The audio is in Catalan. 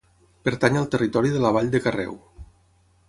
Pertany al territori de la vall de Carreu.